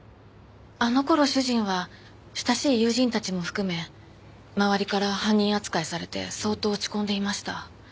あの頃主人は親しい友人たちも含め周りから犯人扱いされて相当落ち込んでいました。